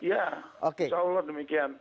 ya insya allah demikian